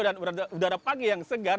dan udara pagi yang segar